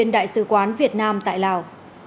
đại sứ quán việt nam tại lào